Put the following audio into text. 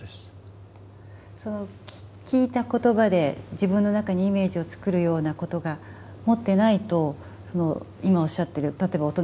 その聞いた言葉で自分の中にイメージを作るようなことが持ってないと今おっしゃってる例えば大人になっても本が読めない。